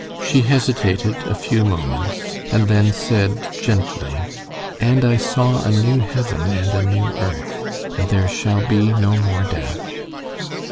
She hesitated a few moments, and then said, gently: "And I saw a new heaven and a new earth. And there shall be no more death."